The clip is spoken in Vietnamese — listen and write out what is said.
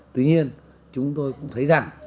tuy nhiên chúng tôi cũng thấy rằng